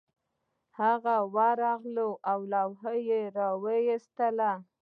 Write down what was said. هغه ورغله او لوحه یې راویستله